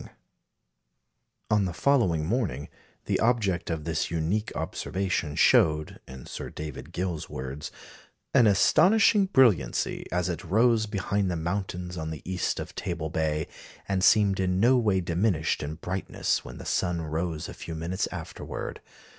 Photographed at the Royal Observatory, Cape of Good Hope] On the following morning, the object of this unique observation showed (in Sir David Gill's words) "an astonishing brilliancy as it rose behind the mountains on the east of Table Bay, and seemed in no way diminished in brightness when the sun rose a few minutes afterward.